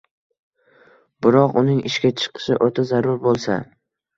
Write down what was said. biroq uning ishga chiqishi o‘ta zarur bo‘lsa